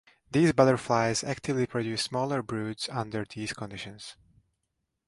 These butterflies actively produce smaller broods under these conditions.